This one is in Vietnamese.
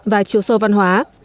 và chiều sâu văn hóa